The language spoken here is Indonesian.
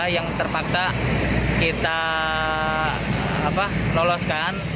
yang terpaksa kita loloskan